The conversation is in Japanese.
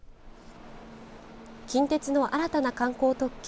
近鉄の新たな観光特急